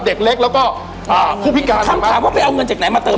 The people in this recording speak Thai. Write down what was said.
เด็กเล็กแล้วก็อ่าผู้พิการคำถามว่าไปเอาเงินจากไหนมาเติม